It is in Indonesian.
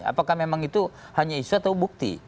apakah memang itu hanya isu atau bukti